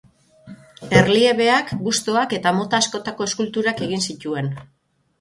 Erliebeak, bustoak eta mota askotako eskulturak egin zituen.